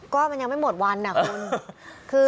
ก็มันยังไม่หมดวันนะคุณ